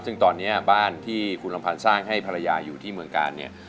ซึ่งตอนนี้บ้านที่คุณอำพันธ์สร้างให้ภรรยาอยู่ที่เมืองกาลเนี่ย